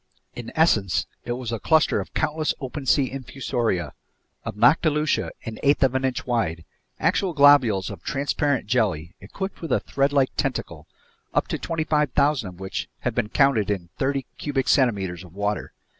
In essence, it was a cluster of countless open sea infusoria, of noctiluca an eighth of an inch wide, actual globules of transparent jelly equipped with a threadlike tentacle, up to 25,000 of which have been counted in thirty cubic centimeters of water.